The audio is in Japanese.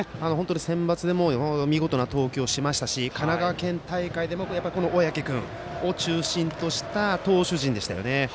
センバツでも見事な投球をしましたし神奈川県大会でも小宅君を中心とした投手陣でしたよね。